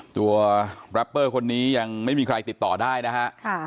แรปเปอร์คนนี้ยังไม่มีใครติดต่อได้นะฮะ